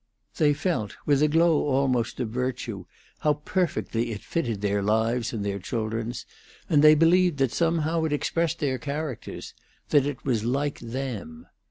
They felt, with a glow almost of virtue, how perfectly it fitted their lives and their children's, and they believed that somehow it expressed their characters that it was like them.